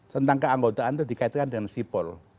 tentang keanggotaan itu dikaitkan dengan sipol